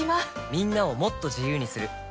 みんなをもっと自由にする「三菱冷蔵庫」